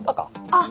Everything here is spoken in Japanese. あっ！